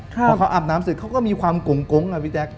พอเขาอาบน้ำเสร็จเขาก็มีความกงอ่ะพี่แจ๊ค